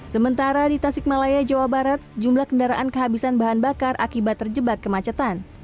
sementara di tasikmalaya jawa barat jumlah kendaraan kehabisan bahan bakar akibat terjebak kemacetan